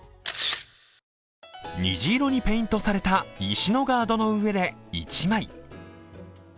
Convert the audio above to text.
虹色にペイントされた石のガードの上で１枚。